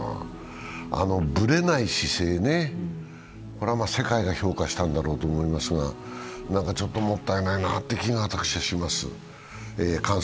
あのぶれない姿勢ね、あれは世界が評価したんだと思いますがちょっともったいなという気が私はします。